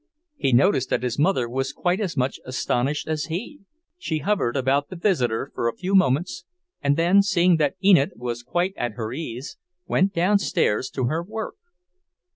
He noticed that his mother was quite as much astonished as he. She hovered about the visitor for a few moments, and then, seeing that Enid was quite at her ease, went downstairs to her work.